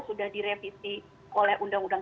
sudah direvisi oleh undang undang